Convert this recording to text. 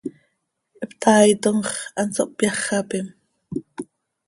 Ihptaaitom x, hanso hpyáxapim.